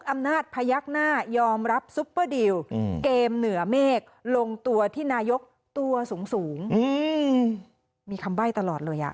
มีคำไบ้ตลอดเลย